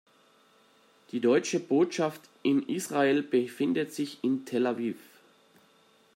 Die Deutsche Botschaft in Israel befindet sich in Tel Aviv.